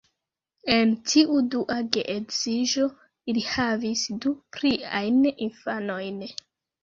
En tiu dua geedziĝo, ili havis du pliajn infanojn.